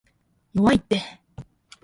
弱いって